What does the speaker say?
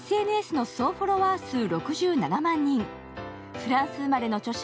フランス生まれの著者